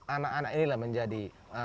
anak anak inilah menjadi